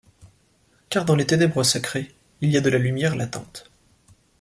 Car dans les ténèbres sacrées il y a de la lumière latente.